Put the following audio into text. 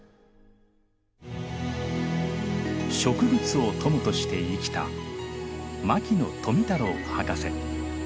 植物を友として生きた牧野富太郎博士。